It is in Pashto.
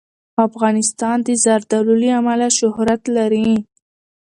افغانستان د زردالو له امله شهرت لري.